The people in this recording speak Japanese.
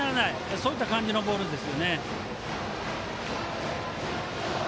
そういった感じのボールです。